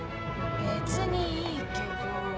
別にいいけど。